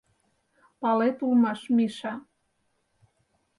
— Палет улмаш, Миша.